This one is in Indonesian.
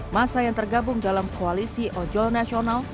masa yang tergabung dalam koalisi ojol nasional